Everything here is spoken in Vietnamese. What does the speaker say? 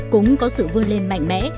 cũng có sự vươn lên mạnh mẽ